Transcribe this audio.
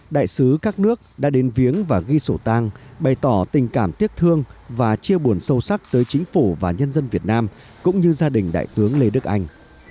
đại sứ các nước đã đến viếng và ghi sổ tang bày tỏ tình cảm tiếc thương và chia buồn sâu sắc tới chính phủ và nhân dân việt nam cũng như gia đình đại tướng lê đức anh